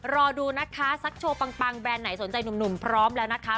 รอดูนะคะสักโชว์ปังแบรนด์ไหนสนใจหนุ่มพร้อมแล้วนะคะ